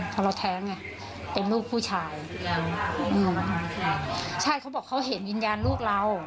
พอเราแทงเนี้ยเป็นลูกผู้ชายอืมใช่เขาบอกเขาเห็นยืนยานลูกเรา